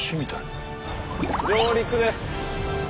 上陸です。